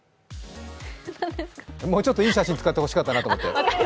もうちょっといい写真使ってほしかったなと思って。